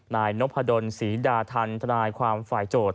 นายนพดนศรีดาธรรณทรายความฝ่ายโจทย์